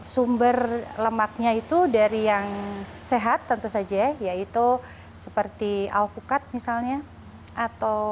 sumber lemaknya itu dari yang sehat tentu saja yaitu seperti alpukat misalnya atau